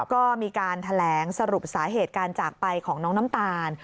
ก็มีการแถลงสรุปสาเหตุการจากไปของน้องน้ำตาล